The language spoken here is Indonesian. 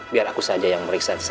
biar aku saja yang meriksa di sana